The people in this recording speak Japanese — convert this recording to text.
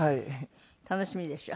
楽しみでしょ？